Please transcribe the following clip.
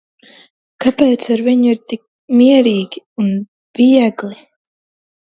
Kāpēc ar viņu ir tik mierīgi un viegli?